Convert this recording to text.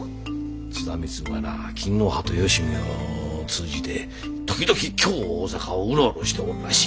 津田貢はな勤皇派とよしみを通じて時々京大坂をうろうろしておるらしい。